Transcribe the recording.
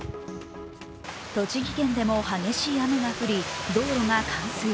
栃木県でも激しい雨が降り道路が冠水。